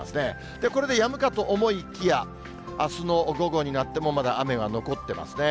で、これでやむかと思いきや、あすの午後になっても、まだ雨が残っていますね。